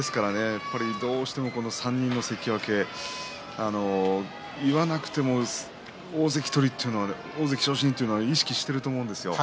やっぱり、どうしてもこの３人の関脇言わなくても大関取りというのは大関昇進というのは意識していると思うんですよ。